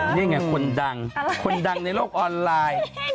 นี่ไงคนดังคนดังในโลกออนไลน์